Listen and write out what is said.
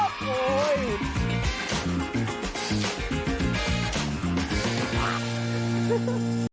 ขอบคุณครับ